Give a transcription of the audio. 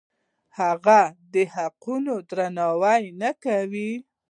هغوی د حقونو درناوی ونه کړ.